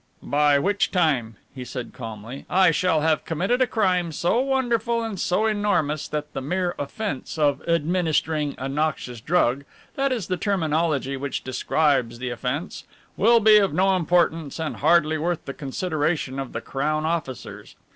"By which time," he said calmly, "I shall have committed a crime so wonderful and so enormous that the mere offence of 'administering a noxious drug' that is the terminology which describes the offence will be of no importance and hardly worth the consideration of the Crown officers.